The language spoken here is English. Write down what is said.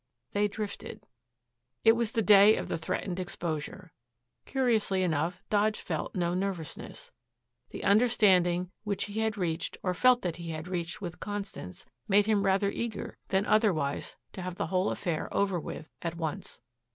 They drifted.... It was the day of the threatened exposure. Curiously enough, Dodge felt no nervousness. The understanding which he had reached or felt that he had reached with Constance made him rather eager than otherwise to have the whole affair over with at once.